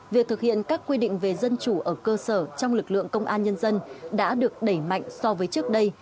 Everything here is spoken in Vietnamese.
việc thực hiện các quy định về dân chủ ở cơ sở trong lực lượng công an nhân dân đã được đẩy mạnh so với trước đây